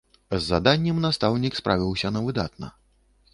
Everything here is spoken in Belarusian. З заданнем настаўнік справіўся на выдатна.